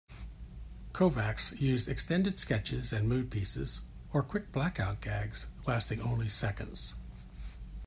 Kovacs used extended sketches and mood pieces or quick blackout gags lasting only seconds.